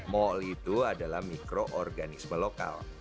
mal itu adalah mikroorganisme lokal